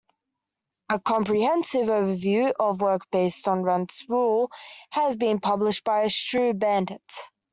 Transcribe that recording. A comprehensive overview of work based on Rent's rule has been published by Stroobandt.